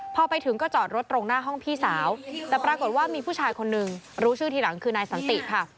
พอไปถึงก็จอดรถตรงหน้าห้องพี่สาวแต่ปรากฏว่ามีผู้ชายคนนึงรู้ชื่อทีหลังคือนายสันติค่ะ